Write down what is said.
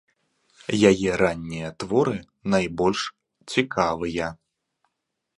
Яе раннія творы найбольш цікавыя.